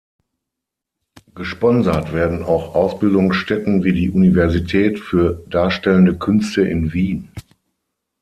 Gesponsert werden auch Ausbildungsstätten wie die Universität für Darstellende Künste in Wien.